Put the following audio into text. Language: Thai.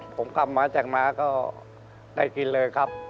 ผมกลับมาจากมาก็ได้กินเลยครับ